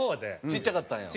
ちっちゃかったんや。